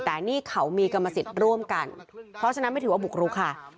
แต่นี่เขามีกรรมสิทธิ์ร่วมกันเพราะฉะนั้นไม่ถือว่าบุกรุกค่ะ